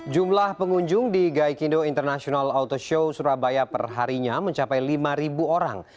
jumlah pengunjung di gaikindo international auto show surabaya perharinya mencapai lima orang